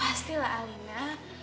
ya pastilah alina